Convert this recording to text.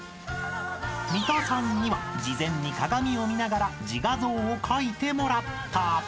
［三田さんには事前に鏡を見ながら自画像を描いてもらった］